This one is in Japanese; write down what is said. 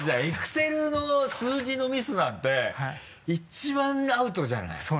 エクセルの数字のミスなんて一番アウトじゃない。